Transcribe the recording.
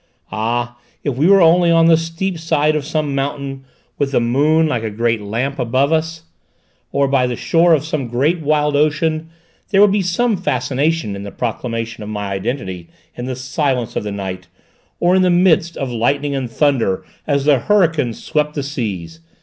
Ah, if we were only on the steep side of some mountain with the moon like a great lamp above us, or by the shore of some wild ocean, there would be some fascination in the proclamation of my identity in the silence of the night, or in the midst of lightning and thunder as the hurricane swept the seas!